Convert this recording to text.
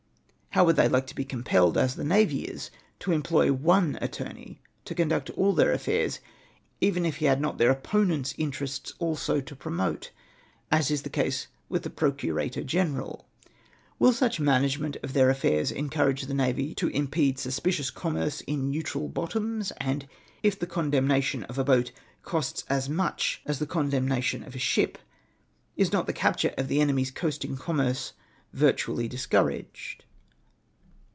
How would they like to be com2:)elled, as the navy is, to employ one attorney to conduct all their affairs, even if he had not their opponent's interests also to promote, as is the case with the prociu'ator general ? Will such manao ement of their affjiirs encourao'e the navy to impede suspicious commerce in neutral l)ottoms ? And if the condemnation of a boat costs as much as the condemnation of a ship, is not the capture of the enemy's coasting commerce virtually discouraged